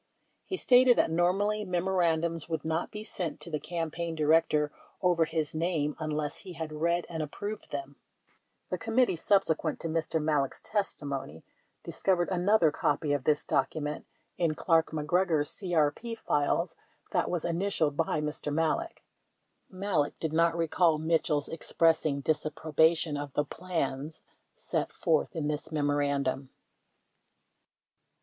He stated that normally memoran dums would not be sent to the campaign director over his name unless he had read and approved them. The committee, subsequent to Mr. Malek's testimony, discovered another copy of this document in Clark 62 Malek exhibit No. 24, 18 Hearings 8414. 378 MacGregor's CEP files that was initialed by Mr. Malek. 53 Malek did not recall Mitchell's expressing disapprobation of the plans set forth in this memorandum.